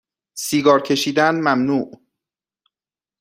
سیگار کشیدن ممنوع